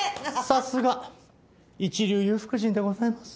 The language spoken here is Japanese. さすが一流裕福人でございます。